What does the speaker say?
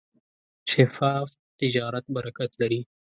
شفاف تجارت برکت لري.